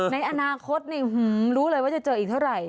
ในอนาคตรู้เลยว่าจะเจออีกเท่าไหร่